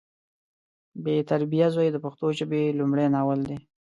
بې تربیه زوی د پښتو ژبې لمړی ناول دی